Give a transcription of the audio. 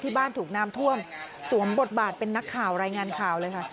บ้านถูกน้ำท่วมสวมบทบาทเป็นนักข่าวรายงานข่าวเลยค่ะ